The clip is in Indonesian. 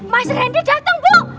mas randy dateng bu